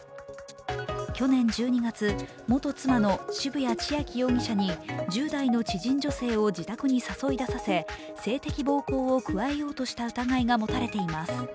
去年１２月、元妻の渋谷千秋容疑者に１０代の知人女性を自宅に誘い出させ性的暴行を加えようとした疑いが持たれています。